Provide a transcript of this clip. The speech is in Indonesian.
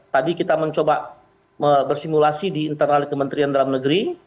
tadi kita mencoba bersimulasi di internal kementerian dalam negeri